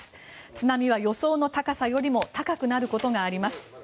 津波は予想の高さよりも高くなることがあります。